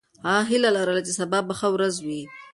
هغه هیله لرله چې سبا به ښه ورځ وي.